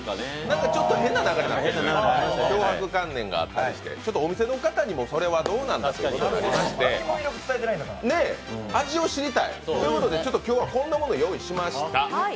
ちょっと変な流れに強迫観念があったりしてお店の方にもそれはどうなんだと思いまして味を知りたいということで今日はこんなものをご用意しました。